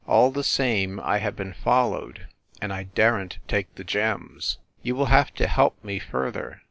All the same I have been followed, and I daren t take the gems. You will have to help me further."